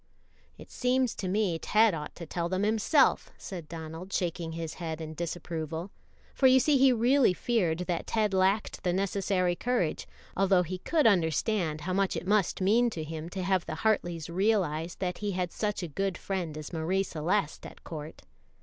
"It seems to me Ted ought to tell them himself," said Donald, shaking his head in disapproval; for you see he really feared that Ted lacked the necessary courage, although he could understand how much it must mean to him to have the Hartleys realize that he had such a good friend as Marie Celeste at court.